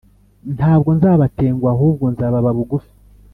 Ntabwo nzabatenguha ahubwo nzababa bugufi